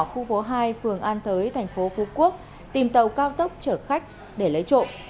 khu phố hai phường an thới thành phố phú quốc tìm tàu cao tốc chở khách để lấy trộm